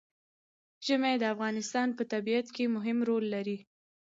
ژمی د افغانستان په طبیعت کې مهم رول لري.